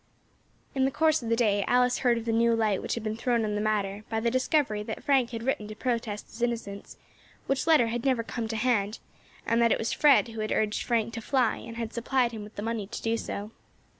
In the course of the day Alice heard of the new light which had been thrown on the matter by the discovery that Frank had written to protest his innocence, which letter had never come to hand, and that it was Fred who had urged Frank to fly and had supplied him with money to do so.